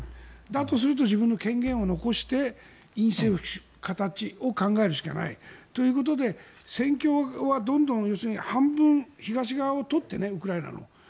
だとすると自分の権限を残して院政を敷く形を考えるしかない。ということで戦況はどんどん要するに半分東側を取ってウクライナのね。